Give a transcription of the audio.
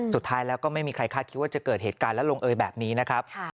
สุดท้ายแล้วก็ไม่มีใครคาดคิดว่าจะเกิดเหตุการณ์และลงเอยแบบนี้นะครับ